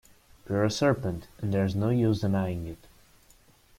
You’re a serpent; and there’s no use denying it.